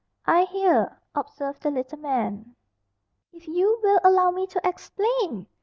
"I hear," observed the little man. "If you will allow me to explain!"